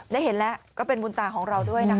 ได้เห็นแล้วก็เป็นบุญตาของเราด้วยนะคะ